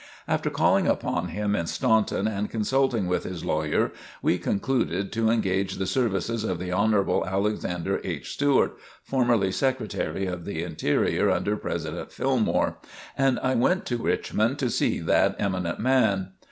After calling upon him in Staunton and consulting with his lawyer, we concluded to engage the services of the Hon. Alexander H. Stuart, formerly Secretary of the Interior under President Fillmore, and I went to Richmond to see that eminent man.